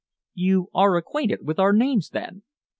"You are acquainted with our names, then?"